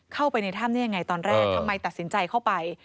เข้าไปในถ้ำได้ยังไงตอนแรกทำไมตัดสินใจเข้าไป